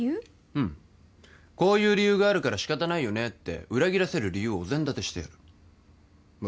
うんこういう理由があるから仕方ないよねって裏切らせる理由をお膳立てしてやるまあ